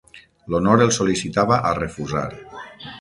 L'honor el sol·licitava a refusar.